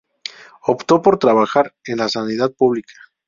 Optó por trabajar en la sanidad pública.